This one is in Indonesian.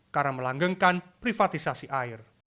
karena melanggengkan privatisasi air